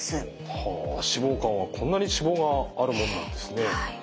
はあ脂肪肝はこんなに脂肪があるもんなんですね。